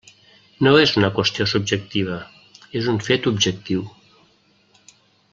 No és una qüestió subjectiva, és un fet objectiu.